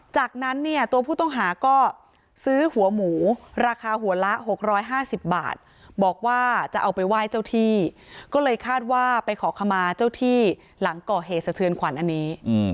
จากนั้นเนี่ยตัวผู้ต้องหาก็ซื้อหัวหมูราคาหัวละ๖๕๐บาทบอกว่าจะเอาไปไหว้เจ้าที่ก็เลยคาดว่าไปขอขมาเจ้าที่หลังก่อเหตุสะเทือนขวัญอันนี้